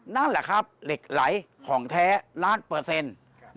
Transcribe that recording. นั่นแหละครับเหล็กไหลของแท้ล้านเปอร์เซ็นต์